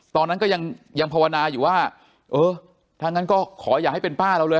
ตอนนั้นก็ยังยังภาวนาอยู่ว่าเออถ้างั้นก็ขออย่าให้เป็นป้าเราเลย